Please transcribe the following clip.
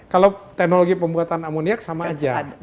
kalau teknologi pembuatan amoniak sama aja